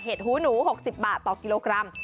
หูหนู๖๐บาทต่อกิโลกรัม